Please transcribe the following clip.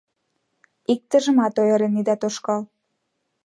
Иктыжымат ойырен ида тошкал.